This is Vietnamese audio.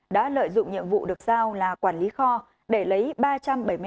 đã lợi dụng nhiệm vụ được giao là quản lý kho để lấy ba trăm bảy mươi năm tám